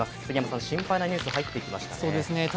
杉山さん、心配なニュース、入ってきましたね。